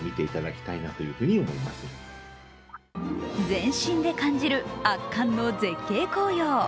全身で感じる圧巻の絶景紅葉。